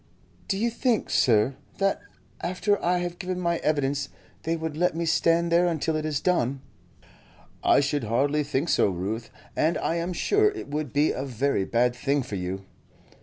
"Do you think, sir, that after I have given my evidence they would let me stand there until it is done?" "I should hardly think so, Ruth, and I am sure it would be a very bad thing for you."